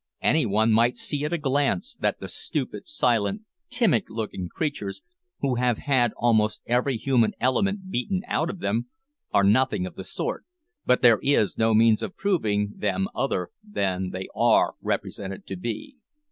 Any one might see at a glance that the stupid, silent, timid looking creatures, who have had almost every human element beaten out of them, are nothing of the sort, but there is no means of proving them other than they are represented to be.